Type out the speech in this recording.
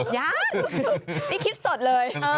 ยังนี่คิดสดเลย